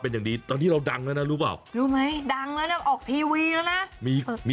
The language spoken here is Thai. ตอนนี้เราดังดังแล้วรู้ไหม